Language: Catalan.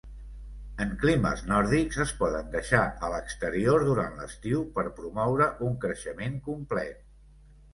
En climes nòrdics es poden deixar a l'exterior durant l'estiu per promoure un creixement complet.